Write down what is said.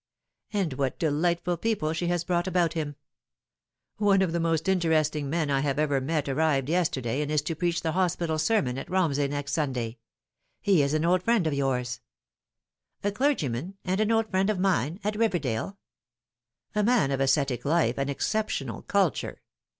And what delightful people she has brought about him ! One of the most interesting men I ever met arrived yesterday, and is to preach the hospital sermon at Romsey next Sunday. He is an old friend of yours." " A clergyman, and an old friend of mine, at Riverdale !" "A man of ascetic life and exceptional culture.